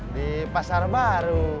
di pasar baru